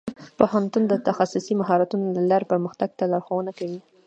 پوهنتون د تخصصي مهارتونو له لارې پرمختګ ته لارښوونه کوي.